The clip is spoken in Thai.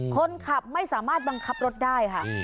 คนขับไม่สามารถบังคับรถได้ค่ะ